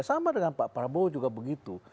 sama dengan pak prabowo juga begitu